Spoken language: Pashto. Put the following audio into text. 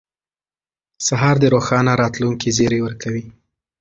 سهار د روښانه راتلونکي زیری ورکوي.